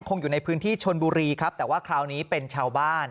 อยู่ในพื้นที่ชนบุรีครับแต่ว่าคราวนี้เป็นชาวบ้าน